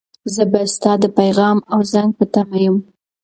زه به ستا د پیغام او زنګ په تمه یم.